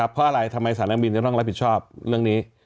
เพราะอะไรทำไมสายนักบินจะต้องรับผิดชอบเรื่องนี้